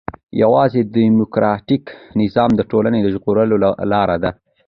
يوازي ډيموکراټيک نظام د ټولني د ژغورلو لار ده.